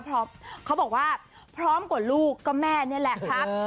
เพราะเขาบอกว่าพร้อมกว่าลูกก็แม่นี่แหละครับ